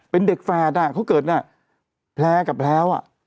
เป็นเด็กแฝดเขาเกิดแพร่กับแพร้ว